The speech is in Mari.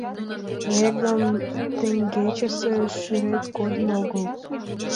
— Веҥым, теҥгечысе шӱрет кодын огыл?